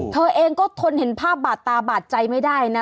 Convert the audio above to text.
เธอเองก็ทนเห็นภาพบาดตาบาดใจไม่ได้นะ